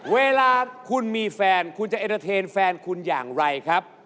เวลาคุณมีแฟนคุณจะเอ็นเตอร์เทนแฟนคุณอย่างไรครับ